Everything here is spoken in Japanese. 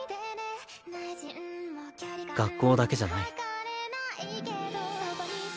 学校だけじゃない。